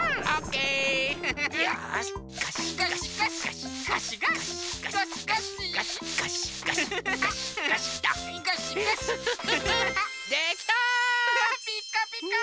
ピカピカ！